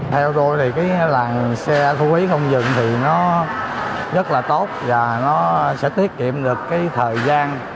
theo tôi thì cái làng xe thu phí không dừng thì nó rất là tốt và nó sẽ tiết kiệm được cái thời gian